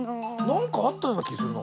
なんかあったようなきするな。